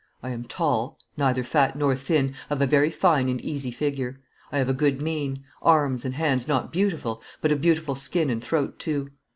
"I am tall, neither fat nor thin, of a very fine and easy figure. I have a good mien, arms and hands not beautiful, but a beautiful skin and throat too.